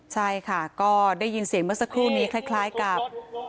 ใช่ค่ะก็ได้ยินเสียงเมื่อสักครู่นี้คล้ายกับ